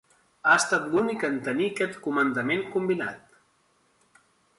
Ha estat l'únic en tenir aquest comandament combinat.